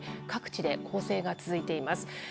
各地で攻勢が続いています。